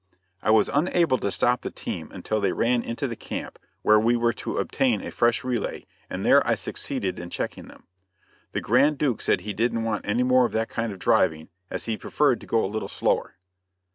I was unable to stop the team until they ran into the camp where we were to obtain a fresh relay, and there I succeeded in checking them. The Grand Duke said he didn't want any more of that kind of driving, as he preferred to go a little slower.